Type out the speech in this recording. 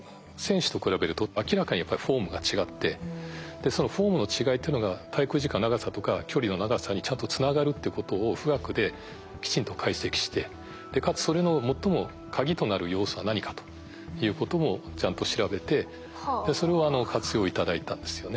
でそのフォームの違いというのが滞空時間の長さとか距離の長さにちゃんとつながるってことを富岳できちんと解析してかつそれの最も鍵となる要素は何かということもちゃんと調べてそれを活用頂いたんですよね。